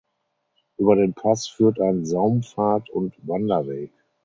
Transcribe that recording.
Über den Pass führt ein Saumpfad und Wanderweg.